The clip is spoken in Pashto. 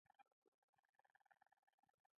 د پیتالوژي علم د ژوند او مرګ ترمنځ دی.